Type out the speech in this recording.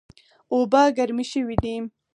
اوبه ګرمې شوې دي